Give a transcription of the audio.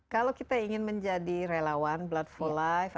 kalau kita ingin menjadi relawan blood for life